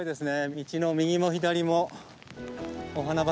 道の右も左もお花畑。